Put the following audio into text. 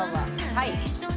はい！